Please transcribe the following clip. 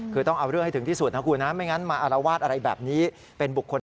คือต้องเอาเรื่องให้ถึงที่สุดนะคุณนะไม่งั้นมาอารวาสอะไรแบบนี้เป็นบุคคล